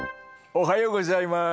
おはようございます。